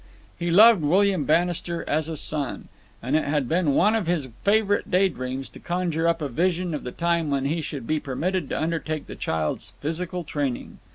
He loved William Bannister as a son, and it had been one of his favourite day dreams to conjure up a vision of the time when he should be permitted to undertake the child's physical training.